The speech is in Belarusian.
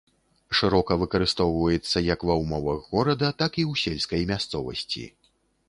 Шырока выкарыстоўваецца як ва ўмовах горада, так і ў сельскай мясцовасці.